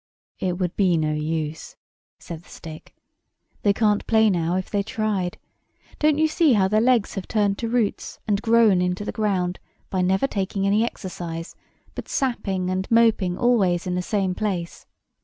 "It would be no use," said the stick. "They can't play now, if they tried. Don't you see how their legs have turned to roots and grown into the ground, by never taking any exercise, but sapping and moping always in the same place?